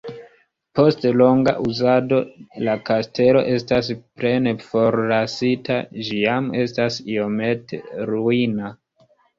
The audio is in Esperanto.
Post longa uzado la kastelo estas plene forlasita, ĝi jam estas iomete ruina.